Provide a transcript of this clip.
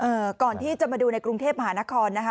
ก่อนที่จะมาดูในกรุงเทพมหานครนะคะ